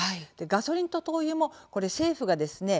ガソリンと灯油も政府がですね